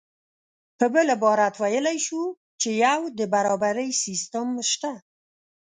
په بل عبارت ویلی شو چې یو د برابرۍ سیستم شته